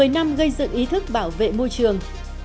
một mươi năm gây dựng ý thức bảo vệ môi trường